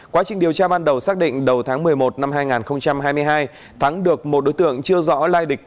quá trình điều tra ban đầu xác định đầu tháng một mươi một năm hai nghìn hai mươi hai thắng được một đối tượng chưa rõ lai lịch